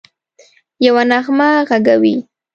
یوه نغمه ږغوي